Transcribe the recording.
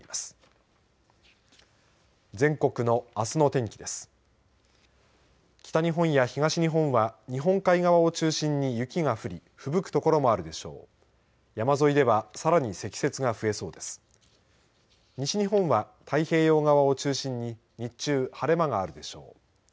西日本は太平洋側を中心に日中、晴れ間があるでしょう。